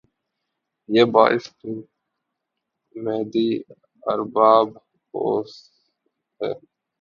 یہ باعث تومیدی ارباب ہوس ھے